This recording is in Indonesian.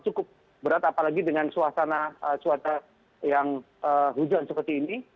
cukup berat apalagi dengan suasana yang hujan seperti ini